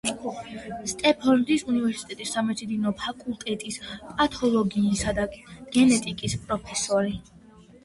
სტენფორდის უნივერსიტეტის სამედიცინო ფაკულტეტის პათოლოგიისა და გენეტიკის პროფესორი.